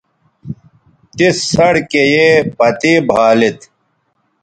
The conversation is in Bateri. تس سڑکے یے پتے بھالید